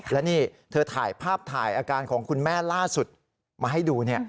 และนี่เธอถ่ายภาพถ่ายอาการของคุณแม่ล่าสุดมาให้ดู